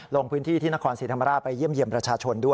ลงพื้นที่ที่นครศรีธรรมราชไปเยี่ยมประชาชนด้วยนะครับ